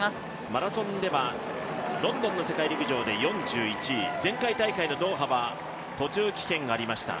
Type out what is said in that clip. マラソンではロンドンの世界陸上で４１位、前回大会のドーハは、途中棄権がありました。